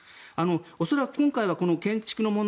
恐らく今回は建築の問題